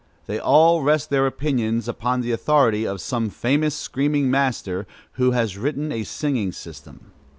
They all rest their opinions upon the authority of some famous screaming master who has written a singing system.